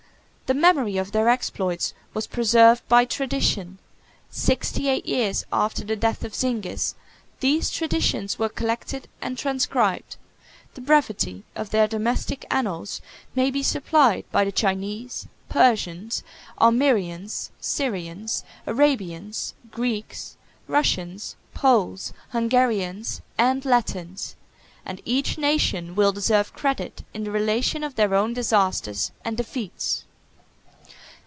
601 The memory of their exploits was preserved by tradition: sixty eight years after the death of Zingis, these traditions were collected and transcribed; 7 the brevity of their domestic annals may be supplied by the Chinese, 8 Persians, 9 Armenians, 10 Syrians, 11 Arabians, 12 Greeks, 13 Russians, 14 Poles, 15 Hungarians, 16 and Latins; 17 and each nation will deserve credit in the relation of their own disasters and defeats.